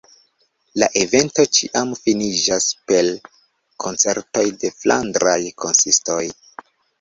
La evento ĉiam finiĝas per koncertoj de flandraj kantistoj.